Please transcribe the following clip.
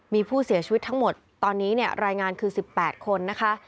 มีผู้เสียชีวิตทั้งหมดตอนนี้รายงานคือ๑๘คนนะคะ